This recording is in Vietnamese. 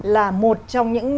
là một trong những